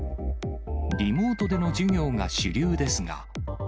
リモートでの授業が主流ですが。